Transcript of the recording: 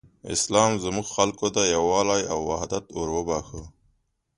اسلام زموږ خلکو ته یووالی او حدت وروباښه.